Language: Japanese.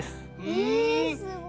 えすごい。